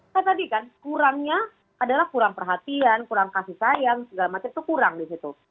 saya tadi kan kurangnya adalah kurang perhatian kurang kasih sayang segala macam itu kurang di situ